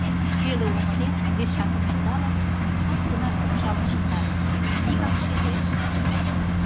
Пеле омо дене мешакым ӧндалын, чот гына шупшалын шында... вигак шижеш.